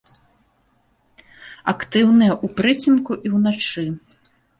Актыўныя ў прыцемку і ўначы.